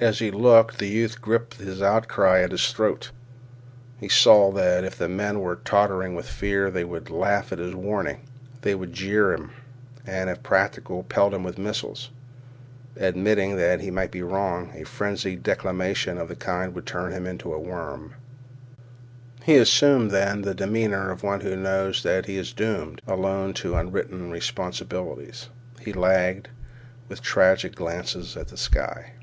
As he looked the youth gripped his outcry at his throat. He saw that even if the men were tottering with fear they would laugh at his warning. They would jeer him, and, if practicable, pelt him with missiles. Admitting that he might be wrong, a frenzied declamation of the kind would turn him into a worm. He assumed, then, the demeanor of one who knows that he is doomed alone to unwritten responsibilities. He lagged, with tragic glances at the sky.